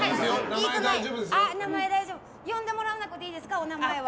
呼んでもらわなくていいですかお名前は。